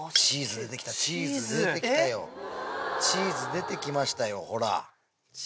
チーズ出てきましたよほら。